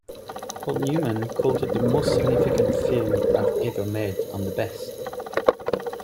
Paul Newman called it the most significant film I've ever made and the best.